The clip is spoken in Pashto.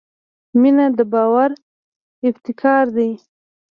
• مینه د باور ابتکار دی.